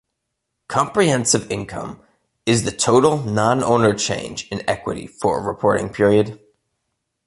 "Comprehensive income" is the total non-owner change in equity for a reporting period.